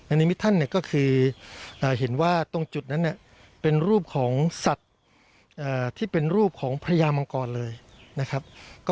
อันนี้มิท่านก็คือเห็นว่าตรงจุดนั้นเป็นรูปของสัตว์ที่เป็นรูปของพระยามังกรเลยนะครับ